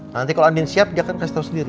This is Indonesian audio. nanti kalau andin siap dia akan kasih tahu sendiri